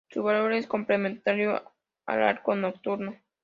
Su valor es complementarios al arco nocturno.